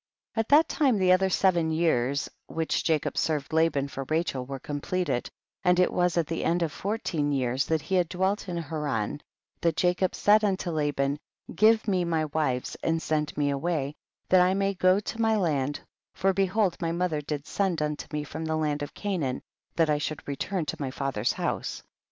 24. At that time, the other seven years which Jacob served I^aban for Rachel were completed, and it was at the end of fourteen years that he had dwelt in Haran that Jacob said unto Laban, give me my wives and send me away, that I may go to my land, for behold my mother did send unto me from the land of Canaan that I should return to my father's house.